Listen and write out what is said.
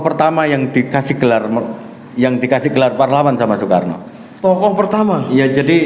pertama yang dikasih gelar yang dikasih gelar parlawan sama soekarno tokoh pertama ya jadi